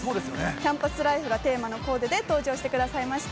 キャンパスライフがテーマのコーデで登場してくれました。